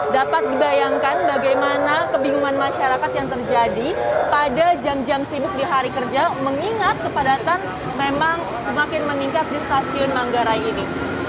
dapat dibayangkan bagaimana kebingungan masyarakat yang terjadi pada jam jam sibuk di hari kerja mengingat kepadatan memang semakin meningkat di stasiun manggarai ini